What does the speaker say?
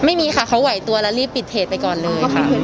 ไม่มีค่ะเค้าหวัยตัวแล้วรีบปิดเทจไปก่อนเลย